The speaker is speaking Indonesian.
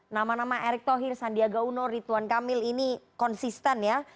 nama nama erick thohir sandiaga uno rituan kamil ini konsisten ya